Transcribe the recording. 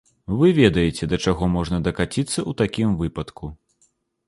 Вы ведаеце, да чаго можна дакаціцца ў такім выпадку.